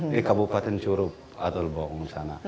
di kabupaten curup atau di bung sana